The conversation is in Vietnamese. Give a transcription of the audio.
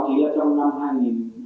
đi lên từ thành phố hồ chí minh